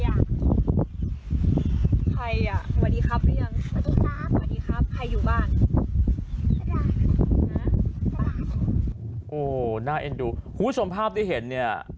ใครอยู่บ้านสวัสดีครับน่าเอ็นดูคุณผู้ชมภาพที่เห็นเนี้ย